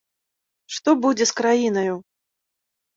Што будзе з краінаю.